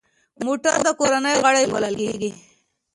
موټر د کورنۍ غړی بلل کېږي.